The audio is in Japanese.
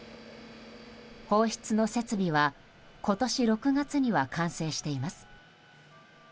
放出の設備は今年６月には完成しています。